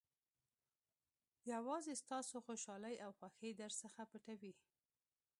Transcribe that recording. یوازې ستاسو خوشالۍ او خوښۍ درڅخه پټوي.